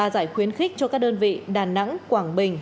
ba giải khuyến khích cho các đơn vị đà nẵng quảng bình